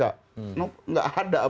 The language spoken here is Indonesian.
tidak ada pak